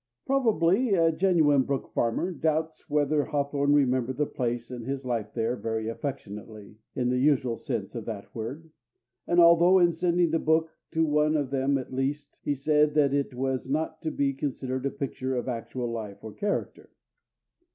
Probably a genuine Brook Farmer doubts whether Hawthorne remembered the place and his life there very affectionately, in the usual sense of that word, and although in sending the book to one of them, at least, he said that it was not to be considered a picture of actual life or character.